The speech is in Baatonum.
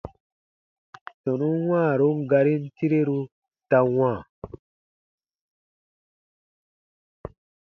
Tɔnun wãarun garin tireru ta wãa.